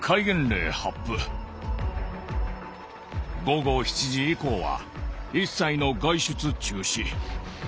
午後７時以降は一切の外出中止。